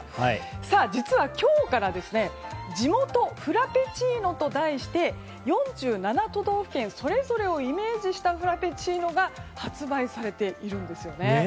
実は、今日から地元フラペチーノと題して４７都道府県それぞれをイメージしたフラペチーノが発売されているんですよね。